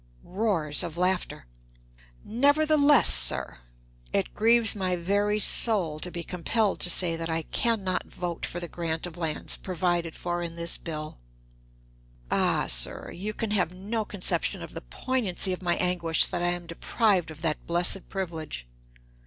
(Roars of laughter.) Nevertheless, sir, it grieves my very soul to be compelled to say that I can not vote for the grant of lands provided for in this bill. Ah, sir, you can have no conception of the poignancy of my anguish that I am deprived of that blessed privilege!